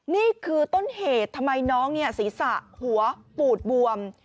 นี่คือต้นเหตุทำไมน้องศีรษะหัวปูดบวม